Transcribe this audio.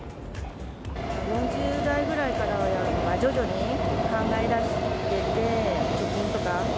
４０代ぐらいからやっぱ徐々に考えだしてて、貯金とか。